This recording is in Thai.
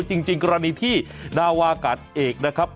จริงกรณีที่นาวากาศเอกนะครับ